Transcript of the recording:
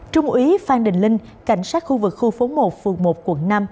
trung úy phan đình linh cảnh sát khu vực khu phố một phường một quận năm